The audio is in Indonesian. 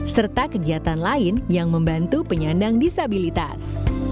serta kegiatan lain yang membantu penyandang disabilitas